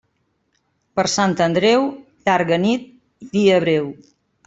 Per Sant Andreu, llarga nit i dia breu.